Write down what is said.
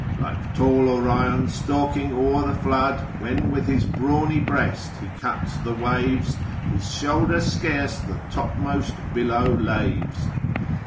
Like tall Orion stalking o'er the flood: When with his brawny breast he cuts the waves, His shoulder scarce the topmost billow laves.